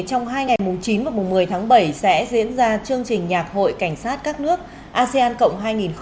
trong hai ngày chín và một mươi tháng bảy sẽ diễn ra chương trình nhạc hội cảnh sát các nước asean cộng hai nghìn hai mươi hai